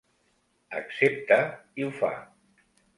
Accepta i ho fa.